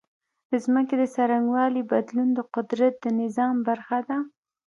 د ځمکې د څرنګوالي بدلون د قدرت د نظام برخه ده.